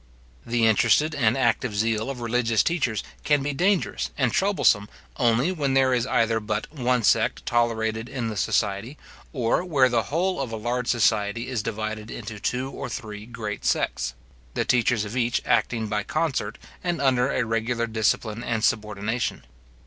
The interested and active zeal of religious teachers can be dangerous and troublesome only where there is either but one sect tolerated in the society, or where the whole of a large society is divided into two or three great sects; the teachers of each acting by concert, and under a regular discipline and subordination.